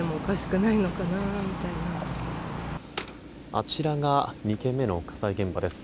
あちらが２件目の火災現場です。